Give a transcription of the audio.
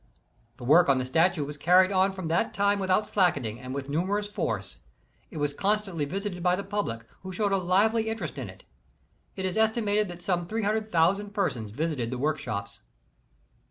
The work on the statue was carried on from that time without slackeninof and with a numerous force. It was constantly visited by the public, who showed a lively inter est in it. It is estimated that about 300,000 persons visited the workshops.